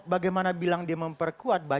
bagaimana bilang dia memperkuat